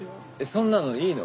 そんなのいいの？